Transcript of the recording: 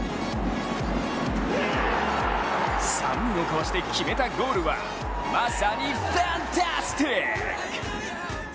３人をかわして決めたゴールはまさにファンタスティック！